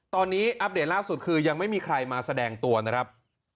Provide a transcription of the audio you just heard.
ตอนนี้อัปเดตล่าสุดคือยังไม่มีใครมาแสดงตัวนะครับ